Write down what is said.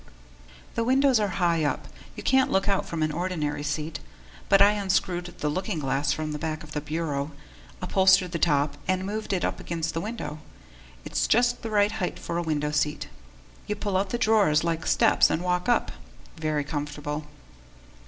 The windows are up high; you can't look out from an ordinary seat. But I unscrewed the looking glass from the back of the bureau, upholstered the top and moved it up against the window. It's just the right height for a window seat. You pull out the drawers like steps and walk up. Very comfortable!